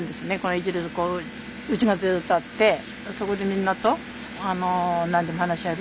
１列こううちがずっとあってそこでみんなと何でも話し合える。